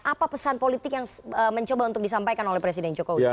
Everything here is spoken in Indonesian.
apa pesan politik yang mencoba untuk disampaikan oleh presiden jokowi